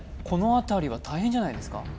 この辺りは大変じゃないですか？